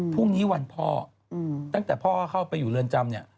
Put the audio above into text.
พรุ่งนี้วันพ่อตั้งแต่พ่อเข้าไปอยู่เรือนจำเนี่ย